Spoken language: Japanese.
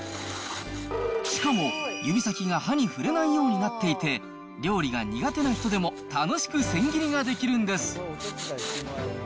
しかも、指先が刃に触れないようになっていて、料理が苦手な人でも楽しく千切りができるんです。